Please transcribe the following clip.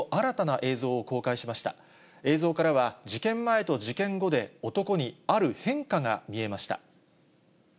映像からは、事件前と事件後で、男にある変化が見えました。